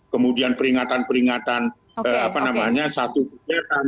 kemudian peringatan peringatan satu kegiatan